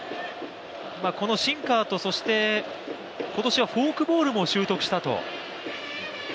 このシンカーと今年はフォークボールも習得したと。